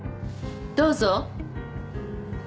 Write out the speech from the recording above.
・どうぞ。